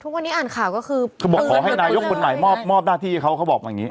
ทุกวันนี้อ่านข่าวก็คือเขาบอกขอให้นายกฎหมายมอบมอบหน้าที่เขาเขาบอกแบบนี้